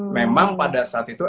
memang pada saat itu